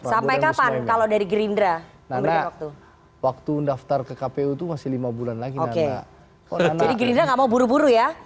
sampai kapan kalau dari gerindra waktu daftar ke kpu itu masih lima bulan lagi oke buru buru ya